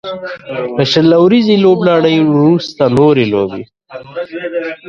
له شل اوريزې لوبلړۍ وروسته نورې لوبې